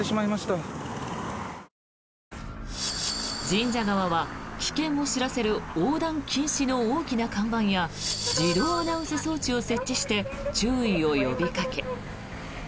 神社側は、危険を知らせる横断禁止の大きな看板や自動アナウンス装置を設置して注意を呼びかけ。